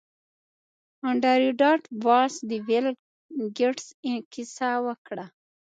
انډریو ډاټ باس د بیل ګیټس کیسه وکړه